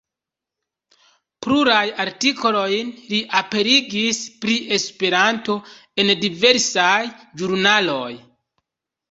Plurajn artikolojn li aperigis pri Esperanto en diversaj ĵurnaloj.